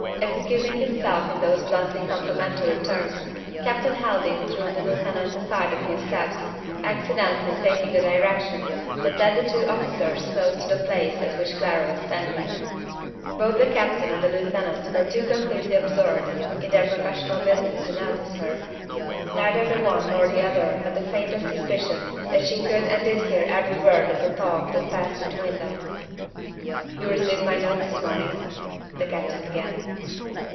Excusing himself in those bluntly complimentary terms, Captain Helding drew the lieutenant aside a few steps, accidentally taking a direction that led the two officers close to the place at which Clara was standing. Both the captain and the lieutenant were too completely absorbed in their professional business to notice her. Neither the one nor the other had the faintest suspicion that she could and did hear every word of the talk that passed between them. "You received my note this morning?" the captain began.